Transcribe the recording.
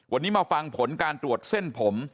วันนี้มาฟังผลการตรวจเส้นผม